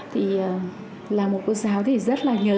thì là một cô giáo thì rất là nhớ